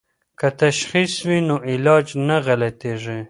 که تشخیص وي نو علاج نه غلطیږي.